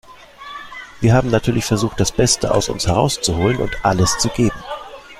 Wir haben natürlich versucht, das Beste aus uns herauszuholen und alles zu geben.